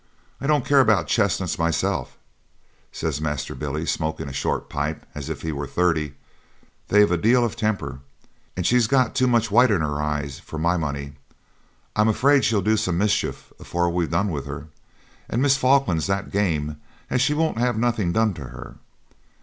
'I don't care about chestnuts myself,' says Master Billy, smoking a short pipe as if he was thirty; 'they've a deal of temper, and she's got too much white in her eye for my money. I'm afeard she'll do some mischief afore we've done with her; and Miss Falkland's that game as she won't have nothing done to her.